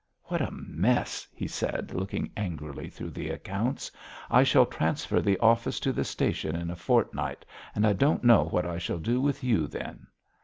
"What a mess!" he said, looking angrily through the accounts. "I shall transfer the office to the station in a fortnight and I don't know what I shall do with you then."